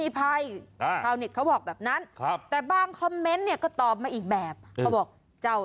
พัจจอมขา